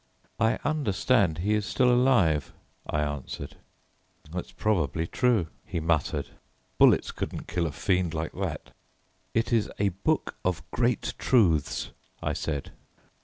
"I understand he is still alive," I answered. "That's probably true," he muttered; "bullets couldn't kill a fiend like that." "It is a book of great truths," I said.